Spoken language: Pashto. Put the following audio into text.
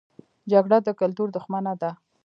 جګړه د کلتور دښمنه ده